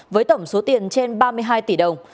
với tổng số tiền trên ba mươi hai tỷ đồng